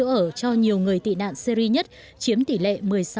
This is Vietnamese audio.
cung cấp chỗ ở cho nhiều người tị nạn syri nhất chiếm tỷ lệ một mươi sáu tám